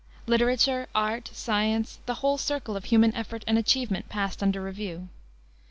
Literature, art, science, the whole circle of human effort and achievement passed under review.